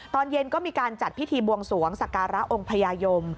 ตอนเย็นก็มีการจัดพิธีบวงสวงสักการะองค์พญายม